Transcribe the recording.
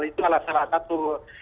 itu adalah salah satu